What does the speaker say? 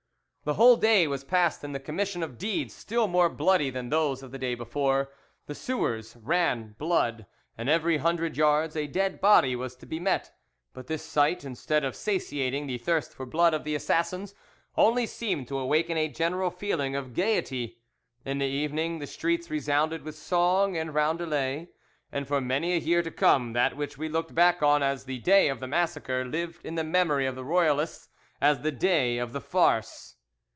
"The whole day was passed in the commission of deeds still more bloody than those of the day before; the sewers ran blood, and every hundred yards a dead body was to be met. But this sight, instead of satiating the thirst for blood of the assassins, only seemed to awaken a general feeling of gaiety. In the evening the streets resounded with song and roundelay, and for many a year to come that which we looked back on as 'the day of the massacre' lived in the memory of the Royalists as 'the day of the farce.